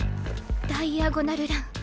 ダイアゴナル・ラン。